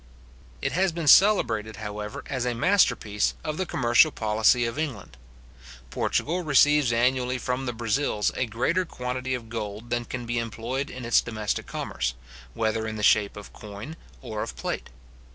It has been celebrated, however, as a masterpiece of the commercial policy of England. Portugal receives annually from the Brazils a greater quantity of gold than can be employed in its domestic commerce, whether in the shape of coin or of plate.